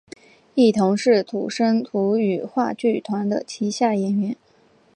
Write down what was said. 亦同时是土生土语话剧团的旗下演员。